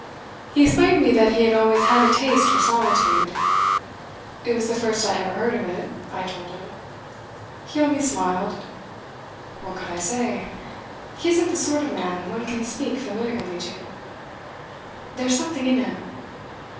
He explained to me that he had always had a taste for solitude. It was the first I ever heard of it, I told him. He only smiled. What could I say? He isn't the sort of man one can speak familiarly to. There's something in him.